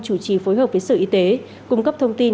chủ trì phối hợp với sở y tế cung cấp thông tin